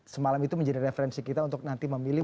semalam itu menjadi referensi kita untuk nanti memilih